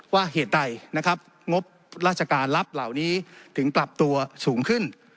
เหตุใดนะครับงบราชการรับเหล่านี้ถึงปรับตัวสูงขึ้น